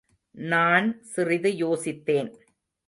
நான் சிறிது யோசித்தேன்.